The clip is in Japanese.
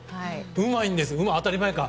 うまいんですよ。当たり前か。